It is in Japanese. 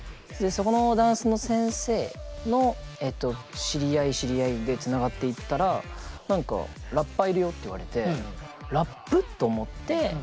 そこのダンスの先生の知り合い知り合いでつながっていったら何か「ラッパーいるよ」って言われて「ラップ！？」と思って。